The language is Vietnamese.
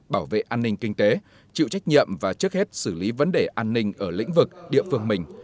bảo vệ an ninh kinh tế chịu trách nhiệm và trước hết xử lý vấn đề an ninh ở lĩnh vực địa phương mình